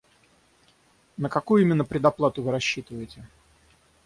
На какую именно предоплату вы рассчитываете?